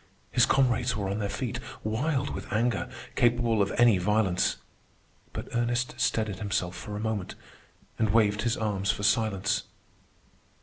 His comrades were on their feet, wild with anger, capable of any violence. But Ernest steadied himself for a moment, and waved his arms for silence.